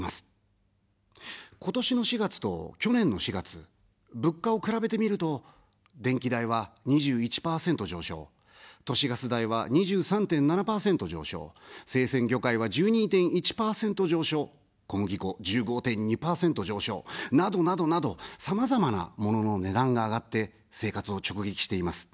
今年の４月と去年の４月、物価を比べてみると、電気代は２１％上昇、都市ガス代は２３．７％上昇、生鮮魚介は１２．１％上昇、小麦粉１５．２％上昇などなどなど、さまざまな、モノの値段が上がって生活を直撃しています。